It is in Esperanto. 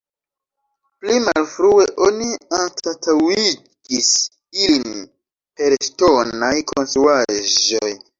Pli malfrue oni anstataŭigis ilin per ŝtonaj konstruaĵoj.